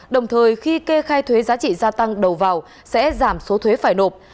đồng thời khi kê khai thuế giá trị gia tăng đầu vào sẽ giảm số thuế phải nộp